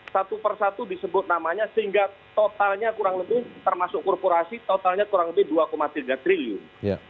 satu persatu disebut namanya sehingga totalnya kurang lebih termasuk korporasi totalnya kurang lebih dua tiga triliun